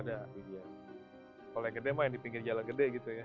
kalau yang gede main di pinggir jalan gede gitu ya